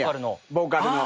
ボーカルの。